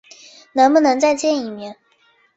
能不能再见一面？